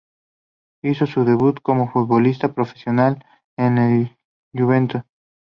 Hizo su debut como futbolista profesional en el Juventude.